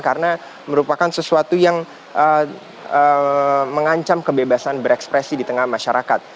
karena merupakan sesuatu yang mengancam kebebasan berekspresi di tengah masyarakat